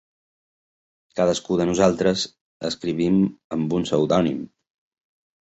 Cadascú de nosaltres escrivim amb un pseudònim.